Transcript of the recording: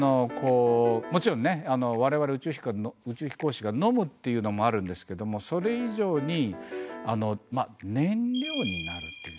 もちろんね我々宇宙飛行士が飲むっていうのもあるんですけどもそれ以上に燃料になるっていうんですかね。